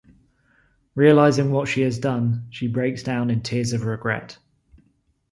Realizing what she has done, she breaks down in tears of regret.